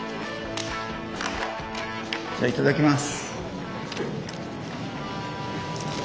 じゃあいただきます。